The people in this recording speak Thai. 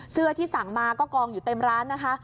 เสื้อที่สั่งมาก็กองอยู่เต็มร้านนะคะ